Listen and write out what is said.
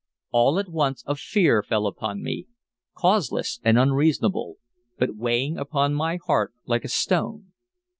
All at once a fear fell upon me, causeless and unreasonable, but weighing upon my heart like a stone.